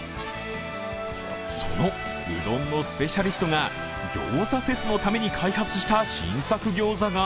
そのうどんのスペシャリストが餃子フェスのために開発した新作餃子が